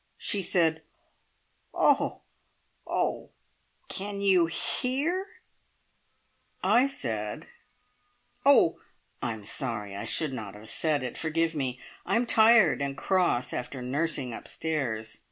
She said: "Oh oh! Can you hear?" I said: "Oh, I'm sorry! I should not have said it. Forgive me! I'm tired and cross after nursing upstairs.